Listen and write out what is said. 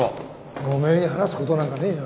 おめえに話すことなんかねえよ。